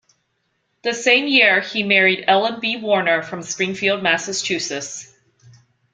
The same year he married Ellen B. Warner from Springfield, Massachusetts.